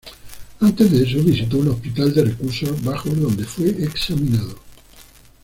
Antes de eso, visitó un hospital de recursos bajos donde fue examinado.